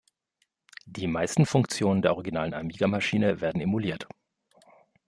Die meisten Funktionen der originalen Amiga-Maschine werden emuliert.